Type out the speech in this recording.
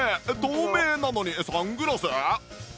透明なのにサングラス？